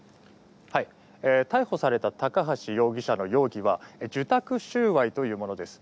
逮捕された高橋容疑者の容疑は受託収賄というものです。